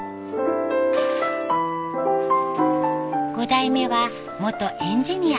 ５代目は元エンジニア。